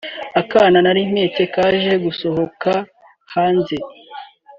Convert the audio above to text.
akana nari mpetse kaje gusohoka hanze